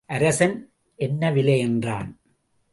அரசன் என்ன விலை? என்றான்.